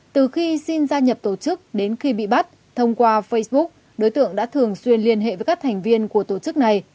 từ khi xin gia nhập tổ chức đến khi bị bắt thông qua facebook đối tượng đã thường xuyên liên hệ với các thành viên của tổ chức này